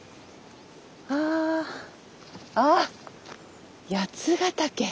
あ。あっ八ヶ岳。